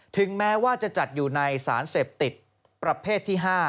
ถึงแม้ว่าจะจัดอยู่ในสารเสพติดประเภทที่๕